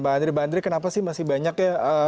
mbak andri mbak andri kenapa sih masih banyak